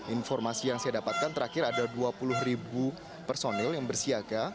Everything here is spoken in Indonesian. informasi yang saya dapatkan terakhir ada dua puluh ribu personil yang bersiaga